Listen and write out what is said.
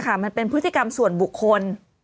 มันเป็นพฤติกรรมส่วนบุคคล